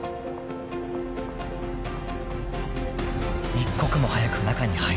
［一刻も早く中に入りたい］